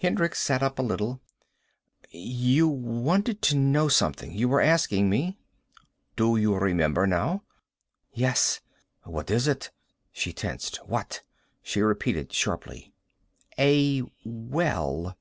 Hendricks sat up a little. "You wanted to know something. You were asking me." "Do you remember now?" "Yes." "What is it?" She tensed. "What?" she repeated sharply. "A well.